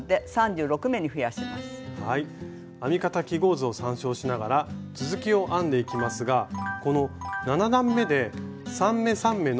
編み方記号図を参照しながら続きを編んでいきますがこの７段めで３目×３目の右上交差をします。